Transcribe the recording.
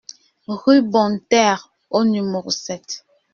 Rue Bonterre au numéro sept